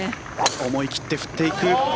思い切って振っていく。